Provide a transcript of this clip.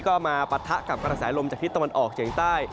ก็มาปะทะกับกระแสลมจากทิศตะวันออกเฉียงใต้